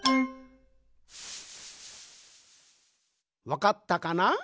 わかったかな？